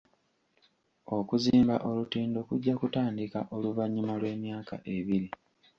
Okuzimba olutindo kujja kutandika oluvannyuma lw'emyaka ebiri.